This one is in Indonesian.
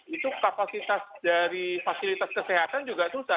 itu kapasitas dari fasilitas kesehatan juga susah